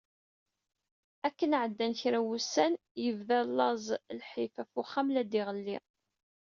Akken εeddan kra wussan, yebda laẓ d lḥif ɣef uxxam la d-iγelli.